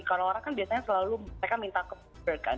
karena orang kan biasanya selalu mereka minta ke posture kan